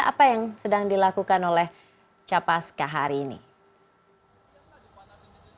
apa yang sedang dilakukan oleh capaska hari ini